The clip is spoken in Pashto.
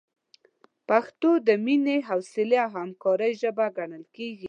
پښتو د مینې، حوصلې، او همکارۍ ژبه ګڼل کېږي.